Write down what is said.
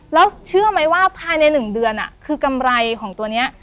แล้วเชื่อไหมว่าภายใน๑เดือนคือกำไรของตัวนี้